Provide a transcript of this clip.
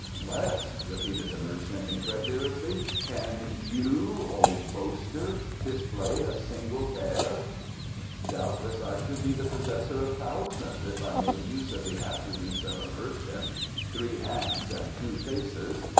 "Less!" repeated the merchant incredulously. "Can you, O boaster, display a single tael?" "Doubtless I should be the possessor of thousands if I made use of the attributes of a merchant three hands and two faces.